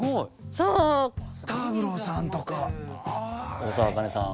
大沢あかねさん。